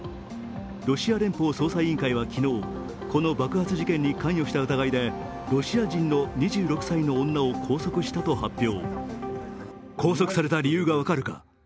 ロシア連邦捜査委員会は昨日、この爆発事件に関与した疑いでロシア人の２６歳の女を拘束したと発表。